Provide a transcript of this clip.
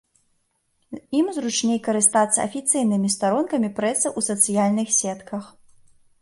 Ім зручней карыстацца афіцыйнымі старонкамі прэсы ў сацыяльных сетках.